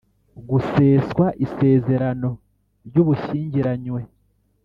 guseswa isezerano ry’ubushyingiranywe